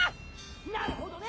なるほどね！